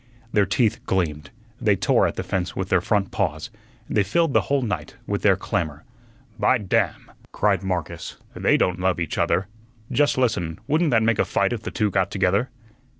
Their teeth gleamed. They tore at the fence with their front paws. They filled the whole night with their clamor. "By damn!" cried Marcus, "they don't love each other. Just listen; wouldn't that make a fight if the two got together?